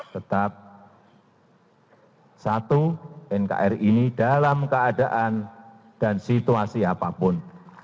tetap satu nkri ini dalam keadaan dan situasi apapun